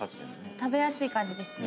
食べやすい感じですね。